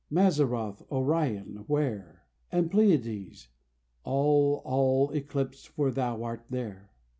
Mazzaroth Orion, where? And Pleiades? All, all eclipsed for thou art there.